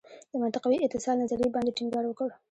د منطقوي اتصال نظریې باندې ټینګار وکړ.